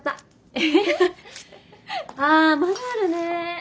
あまだあるね。